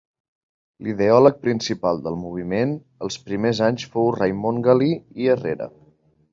L'ideòleg principal del moviment els primers anys fou Raimon Galí i Herrera.